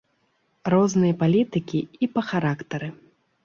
Розныя палітыкі і па характары.